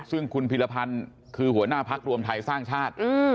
ซึ่งคุณพิรพันธ์คือหัวหน้าพักรวมไทยสร้างชาติ